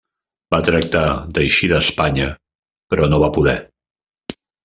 Va tractar d'eixir d'Espanya però no va poder.